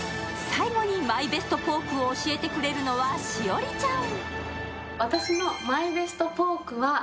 最後にＭＹＢＥＳＴポークを教えてくれるのは栞里ちゃん。